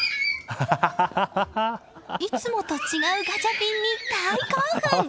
いつもと違うガチャピンに大興奮！